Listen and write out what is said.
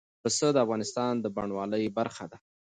پسه د افغانستان د بڼوالۍ برخه ده.